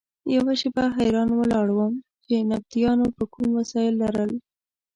یوه شېبه حیران ولاړ وم چې نبطیانو به کوم وسایل لرل.